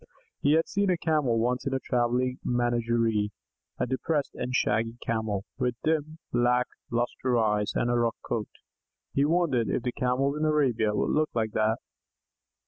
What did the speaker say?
He had seen a Camel once in a travelling menagerie; a depressed and shaggy Camel, with dim, lack lustre eyes and a rough coat. He wondered if the Camels in Arabia would look like that.